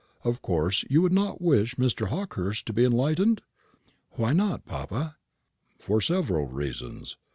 Of course you would not wish Mr. Hawkehurst to be enlightened?" "Why not, papa?" "For several reasons.